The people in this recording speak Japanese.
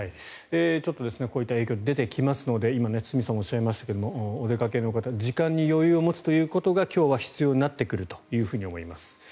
ちょっとこういった影響が出てきますので今、堤さんがおっしゃいましたがお出かけの方時間に余裕を持つということが今日は必要になってくるというふうに思います。